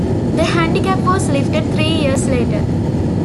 The handicap was lifted three years later.